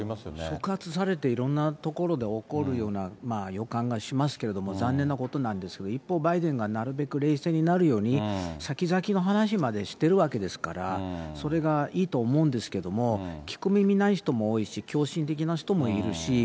触発されていろんな所で起こるような予感がしますけれども、残念なことなんですが、一方、バイデンがなるべく冷静になるように、先々の話までしているわけですから、それがいいと思うんですけれども、聞く耳ない人も多いし、狂信的な人もいるし。